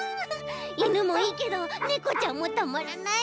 いぬもいいけどねこちゃんもたまらない。